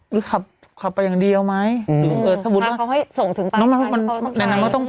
หรือขับไปอย่างเดียวไหม